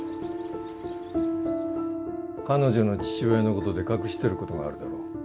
彼女の父親のことで隠してることがあるだろ？